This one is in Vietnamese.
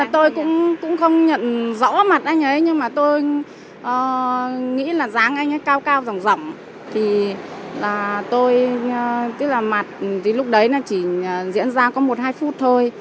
tôi nghĩ là dáng anh ấy cao cao rỏng rỏng thì tôi tức là mặt lúc đấy chỉ diễn ra có một hai phút thôi